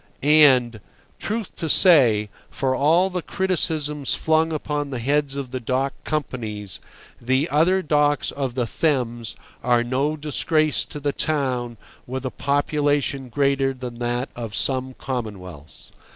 And, truth to say, for all the criticisms flung upon the heads of the dock companies, the other docks of the Thames are no disgrace to the town with a population greater than that of some commonwealths.